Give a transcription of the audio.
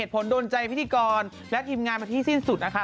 ผลโดนใจพิธีกรและทีมงานมาที่สิ้นสุดนะคะ